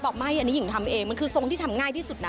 บอกไม่อันนี้หญิงทำเองมันคือทรงที่ทำง่ายที่สุดนะ